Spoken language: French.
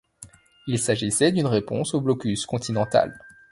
Il s’agssait d’une réponse au blocus continental.